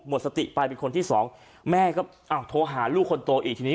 สติไปเป็นคนที่สองแม่ก็อ้าวโทรหาลูกคนโตอีกทีนี้